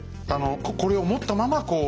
これを持ったままこう何か。